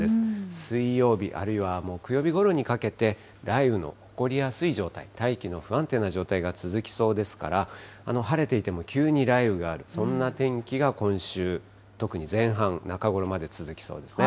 水曜日、あるいは木曜日ごろにかけて、雷雨の起こりやすい状態、大気の不安定な状態が続きそうですから、晴れていても急に雷雨がある、そんな天気が今週、特に前半、中頃まで続きそうですね。